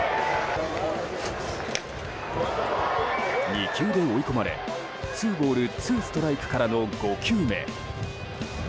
２球で追い込まれ、ツーボールツーストライクからの５球目。